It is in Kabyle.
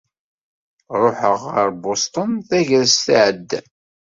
Ṛuḥeɣ ɣer Bustun tagrest iɛeddan.